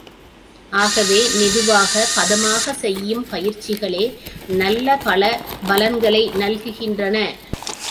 ஆகவே, மெதுவாக, பதமாகச் செய்யும் பயிற்சிகளே, நல்ல பல பலன்களை நல்குகின்றன.